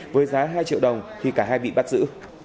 với giá hai triệu đồng khi cả hai bị bắt giữ